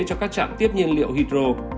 cho các trạm tiếp nhiên liệu hydro